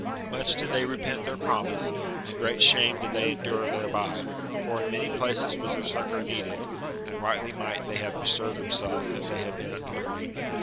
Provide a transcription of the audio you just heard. Much did they repent their promise^ and great shame did they endure thereby, for in many places was their succour needed, and rightly might they have bestirred themselves if they had been at liberty.